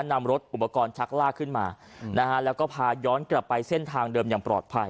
นำรถอุปกรณ์ชักลากขึ้นมานะฮะแล้วก็พาย้อนกลับไปเส้นทางเดิมอย่างปลอดภัย